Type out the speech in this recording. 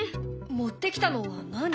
持ってきたのは何？